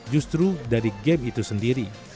justru dari game itu sendiri